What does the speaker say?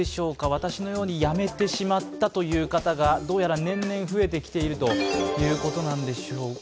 私のようにやめてしまったという方がどうやら年々増えてきているということなんでしょうか。